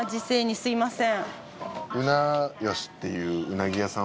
すみません。